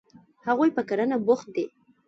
هغوی په کرنه بوخت دي.